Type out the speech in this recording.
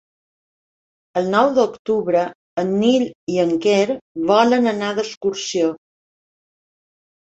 El nou d'octubre en Nil i en Quer volen anar d'excursió.